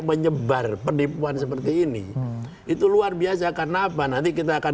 menyebar penipuan seperti ini itu luar biasa karena apa nanti kita akan